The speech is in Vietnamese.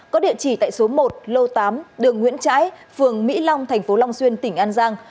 có địa chỉ tại số một lô tám đường nguyễn trãi phường mỹ long thành phố long xuyên tỉnh an giang